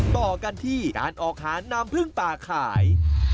ต่อกันที่การออกหาน้ำพึ่งป่าขาย